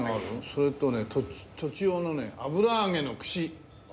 それとね栃尾のね油揚げの串。